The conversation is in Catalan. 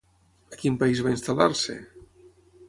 A quin país va instal·lar-se?